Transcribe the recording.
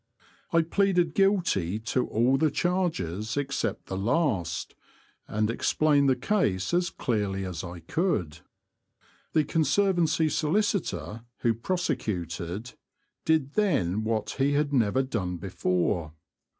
I pleaded guilty to all the 172 The Confessions of a T^oacher. charges except the last, and explained the case as clearly as I could. The Conservancy solicitor, who prosecuted, did then what he had never done before.